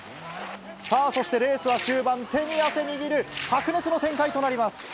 さあ、そしてレースは終盤、手に汗握る白熱の展開となります。